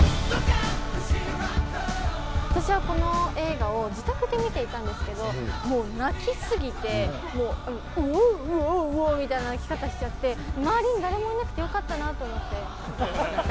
私はこの映画を自宅で見ていたんですけどもう泣き過ぎてウォウウォウウォウみたいな泣き方しちゃって周りに誰もいなくてよかったなと思って。